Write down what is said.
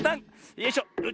よいしょ。